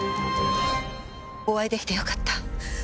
お会いできてよかった。